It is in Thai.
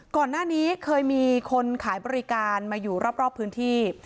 ก่อนหน้านี้เคยมีคนขายบริการมาอยู่รอบพื้นที่